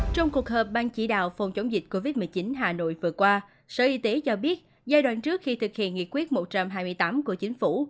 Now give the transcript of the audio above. trong cuộc họp ban chỉ đạo phòng chống dịch covid một mươi chín hà nội vừa qua sở y tế cho biết giai đoạn trước khi thực hiện nghị quyết một trăm hai mươi tám của chính phủ